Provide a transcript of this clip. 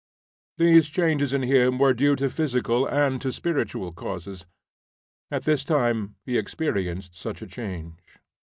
These changes in him were due to physical and to spiritual causes. At this time he experienced such a change.